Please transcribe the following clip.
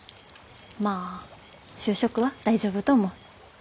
まあ就職は大丈夫と思う。